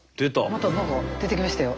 また何か出てきましたよ。